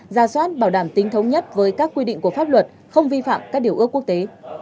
ra soát bảo đảm tính thống nhất với các quy định của pháp luật không vi phạm các điều ước quốc tế